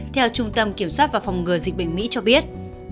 theo trung tâm kiểm soát và phòng ngừa dịch bệnh mỹ cho biết